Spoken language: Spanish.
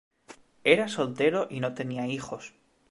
Era soltero y no tenía hijos.